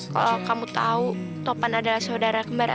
kalau kamu tahu topan adalah saudara kembar